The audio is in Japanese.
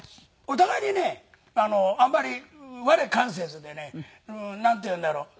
お互いにねあんまり我関せずでねなんていうんだろう。